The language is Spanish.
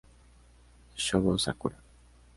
Shogo Sakurai